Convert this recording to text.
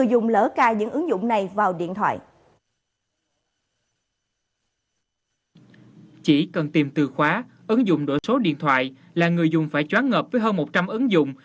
trước đó ứng dụng đổi số điện thoại là người dùng phải choáng ngợp với hơn một trăm linh ứng dụng